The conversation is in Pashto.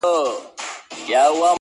چي وايي,